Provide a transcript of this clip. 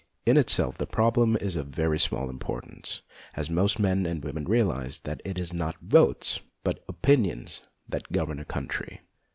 In itself the prob lem is of very small importance, as most men and women realize that it is not votes, but opinions, that govern a country.